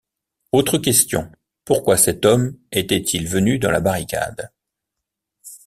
Autre question: Pourquoi cet homme était-il venu dans la barricade?